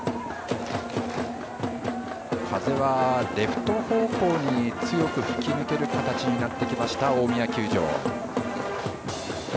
風はレフト方向に強く吹き付ける形になってきた大宮球場。